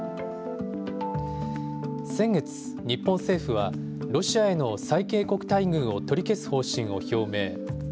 先月、日本政府はロシアへの最恵国待遇を取り消す方針を表明。